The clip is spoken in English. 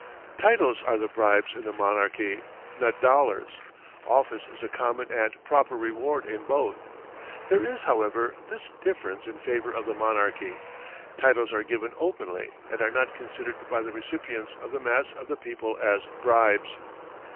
Titles are the bribes in the monarchy, not dollars. Office is a common and proper reward in both. There is, however, this difference in favor of the monarchy; titles are given openly and are not considered by the recipients or the mass of the people as bribes.